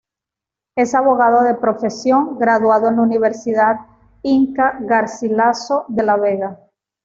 Es abogado de profesión, graduado en la Universidad Inca Garcilaso de la Vega.